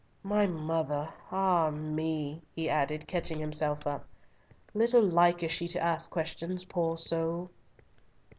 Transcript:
My mother!—ah me," he added, catching himself up; "little like is she to ask questions, poor soul."